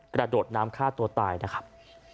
กระโดดน้ำฆ่าตัวตายนะครับ